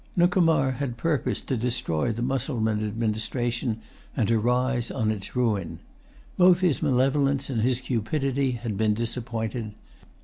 Nuncomar had purposed to destroy the Mussulman administration, and to rise on its ruin. Both his malevolence and his cupidity had been disappointed.